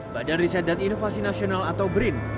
badan riset dan inovasi nasional atau brin